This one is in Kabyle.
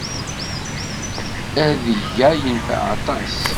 Adeg-a yenfeɛ aṭas.